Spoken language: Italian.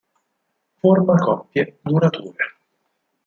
Forma coppie durature.